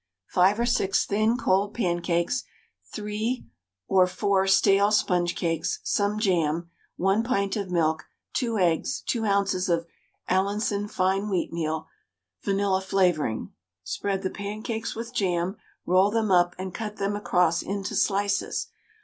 5 or 6 thin cold pancakes, 3 or 3 stale sponge cakes, some jam, 1 pint of milk, 2 eggs, 2 oz. of Allinson fine wheatmeal, vanilla flavouring. Spread the pancakes with jam, roll them up and cut them across into slices.